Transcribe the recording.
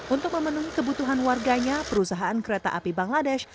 untuk memenuhi kebutuhan warganya perusahaan kereta api bangladesh